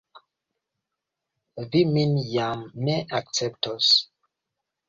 Vi min jam ne akceptos?